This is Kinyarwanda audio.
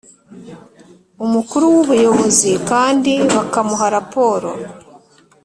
Umukuru w Ubuyobozi kandi bakamuha raporo